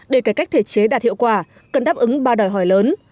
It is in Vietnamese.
để cải cách thể chế đạt hiệu quả cần đáp ứng ba đòi hỏi lớn